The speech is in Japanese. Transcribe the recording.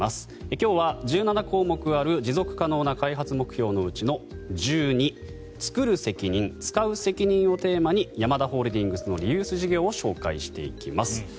今日は１７項目ある持続可能な開発目標のうちの「１２つくる責任つかう責任」をテーマにヤマダホールディングスのリユース事業を紹介していきます。